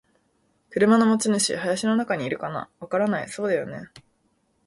「車の持ち主。林の中にいるかな？」「わからない。」「そうだよね。」